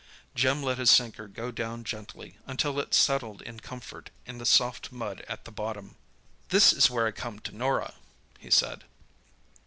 Jim let his sinker go down gently until it settled in comfort in the soft mud at the bottom. "This is where I come to Norah," he said.